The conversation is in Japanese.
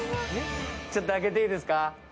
ちょっと開けていいですか？